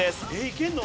いけるの？